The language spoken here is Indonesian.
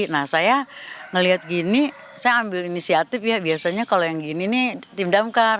nah saya melihat gini saya ambil inisiatif ya biasanya kalau yang gini nih tim damkar